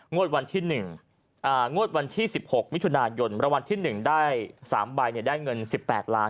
งวดวันที่๑งวดวันที่๑๖วิทยุนายนประวัติวันที่๑ได้๓ใบได้เงิน๑๘ล้าง